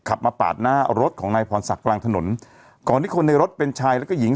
ขับมาปาดหน้ารถของนายพรศักดิ์กลางถนนก่อนที่คนในรถเป็นชายแล้วก็หญิง